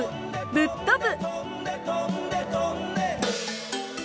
ぶっ飛ぶ！